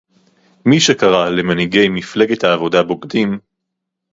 מי שקרא למנהיגי מפלגת העבודה בוגדים